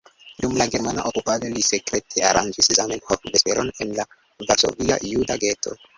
Dum la germana okupado li sekrete aranĝis Zamenhof-vesperon en la Varsovia juda geto.